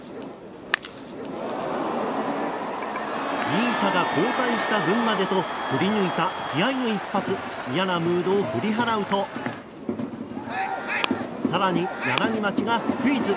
ギータが後退して振り抜いた気合の一発嫌なムードを振り払うと更に柳町がスクイズ。